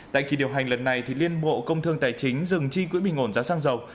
tại kỳ điều hành lần này liên bộ công thương tài chính dừng chi quỹ bình ổn giá xăng dầu